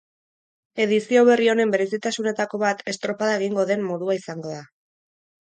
Edizio berri honen berezitasunetako bat estropada egingo den modua izango da.